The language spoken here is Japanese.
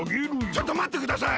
ちょっとまってください。